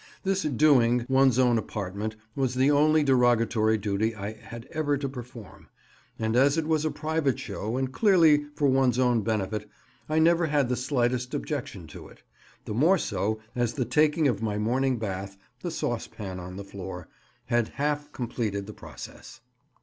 This "doing" one's own apartment was the only derogatory duty I had ever to perform; and as it was a private show, and clearly for one's own benefit, I never had the slightest objection to it; the more so as the taking of my morning bath (the saucepan on the floor) had half completed the process.